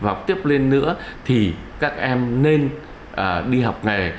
và học tiếp lên nữa thì các em nên đi học nghề